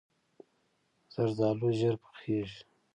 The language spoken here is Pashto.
زردالو ژر پخیږي.